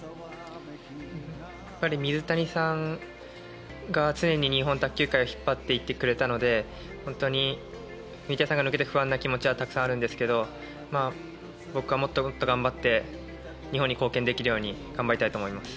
やっぱり水谷さんが常に日本卓球界を引っ張っていってくれたので本当に水谷さんが抜けて不安な気持ちはたくさんあるんですけど僕がもっともっと頑張って日本に貢献できるように頑張りたいと思います。